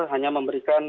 hanya memberikan pansel